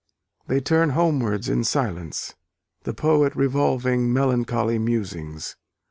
They turn homewards in silence, the poet revolving melancholy musings.